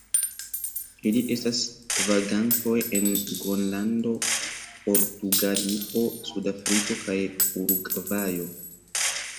Ili estas vagantoj en Gronlando, Portugalio, Sudafriko kaj Urugvajo.